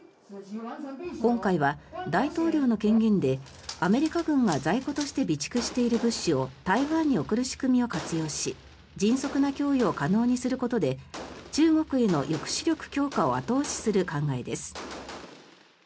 今回は大統領の権限でアメリカ軍が在庫として備蓄している物資を台湾に送る仕組みを活用し迅速な供与を可能にすることで中国への抑止力強化を後押しする考えです。